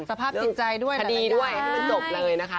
สภาพจิตใจด้วยดีด้วยให้มันจบเลยนะคะ